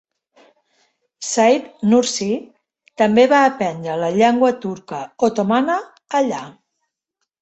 Said Nursi també va aprendre la llengua turca otomana allà.